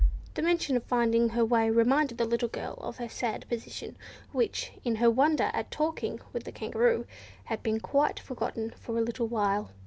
The mention of finding her way reminded the little girl of her sad position, which, in her wonder at talking with the Kangaroo, had been quite forgotten for a little while.